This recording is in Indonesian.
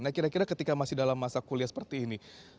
nah kira kira ketika masih dalam masa kuliah seperti ini